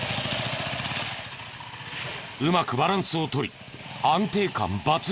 うまくバランスを取り安定感抜群。